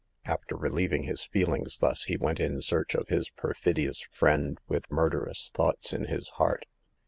After relieving his feelings thus, he went in search of his perfidious friend, with murderous thoughts in his heart.